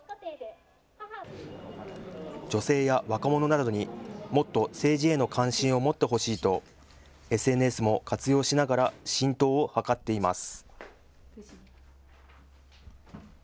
女性や若者などにもっと政治への関心を持ってほしいとＳＮＳも活用しながら浸透を図っています。